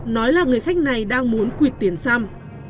nói là người khách này đang muốn quyệt tiền xăm